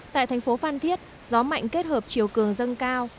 tại thành phố phan thiết gió mạnh kết hợp chiều cường dâng cao